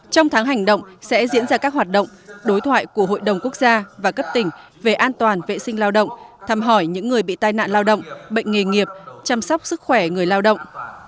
trong tháng hành động sẽ diễn ra các hoạt động đối thoại của hội đồng quốc gia và cấp tỉnh về an toàn vệ sinh lao động thăm hỏi những người bị tai nạn lao động bệnh nghề nghiệp chăm sóc sức khỏe người lao động